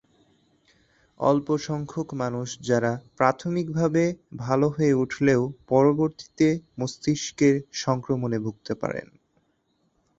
অল্পসংখ্যক মানুষ যারা প্রাথমিকভাবে ভালো হয়ে উঠলেও পরবর্তীকালে মস্তিষ্কের সংক্রমণে ভুগতে পারেন।